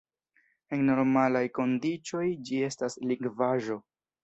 En normalaj kondiĉoj ĝi estas likvaĵo.